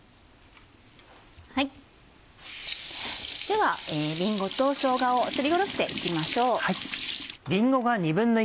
ではりんごとしょうがをすりおろしていきましょう。